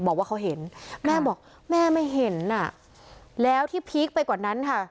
บอกว่าเขาเห็นแม่บอกแม่ไม่เห็นอ่ะแล้วที่พีคไปกว่านั้นค่ะ